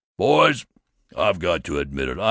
"Boys, I've got to admit it.